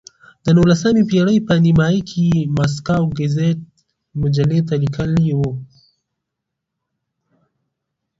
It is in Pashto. د نولسمې پېړۍ په نیمایي کې یې ماسکو ګزیت مجلې ته لیکلي وو.